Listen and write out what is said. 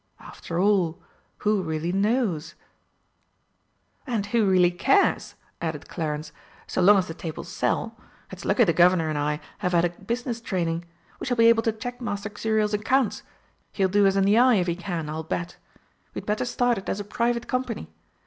After all, who really knows?" "And who really cares?" added Clarence, "so long as the tables sell. It's lucky the Guv'nor and I have had a business training. We shall be able to check Master Xuriel's accounts he'll do us in the eye if he can, I'll bet. We'd better start it as a private company.